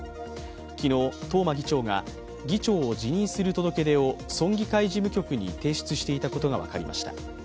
昨日、東間議長が、議長を辞任する届け出を村議会事務局に提出していたことが分かりました。